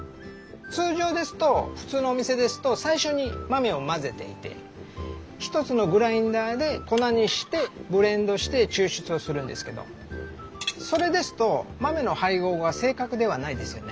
通常ですと普通のお店ですと最初に豆を混ぜていて１つのグラインダーで粉にしてブレンドして抽出するんですけどそれですと豆の配合は正確ではないですよね。